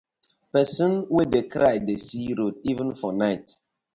Pesin wey dey cry dey see road even for night.